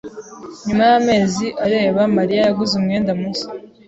Nyuma y'amezi areba, Mariya yaguze umwenda mushya.